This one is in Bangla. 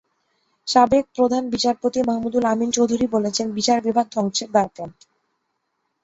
সাবেক প্রধান বিচারপতি মাহমুদুল আমিন চৌধুরী বলেছেন বিচার বিভাগ ধ্বংসের দ্বারপ্রান্তে।